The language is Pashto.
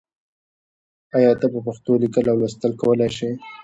آیا ته په پښتو لیکل او لوستل کولای شې؟